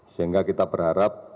sehingga kita berharap